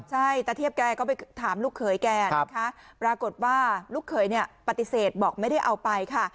ใช่ตะเทียบแกก็ไปถามลูกเขยแกนะคะปรากฏว่าลูกเขยเนี่ยปฏิเสธบอกไม่ได้เอาไปค่ะ